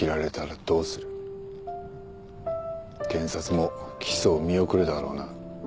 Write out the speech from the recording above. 検察も起訴を見送るだろうな。